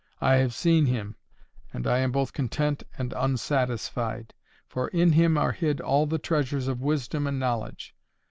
I have seen Him, and I am both content and unsatisfied. For in Him are hid all the treasures of wisdom and knowledge.